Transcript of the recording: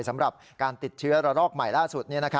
สำหรับการติดเชื้อระลอกใหม่ล่าสุด